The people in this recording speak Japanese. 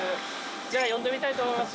じゃあ呼んでみたいと思います」。